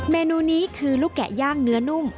เมนูนี้คือลูกแกะย่างเนื้อนุ่ม